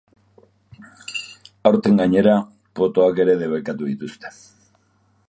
Aurten, gainera, potoak ere debekatu dituzte.